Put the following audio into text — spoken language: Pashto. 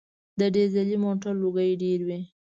د ډیزلي موټر لوګی ډېر وي.